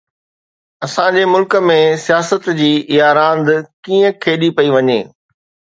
اسان جي ملڪ ۾ سياست جي اها راند ڪيئن کيڏي پئي وڃي؟